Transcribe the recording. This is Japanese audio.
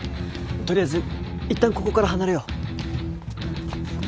取りあえずいったんここから離れよう。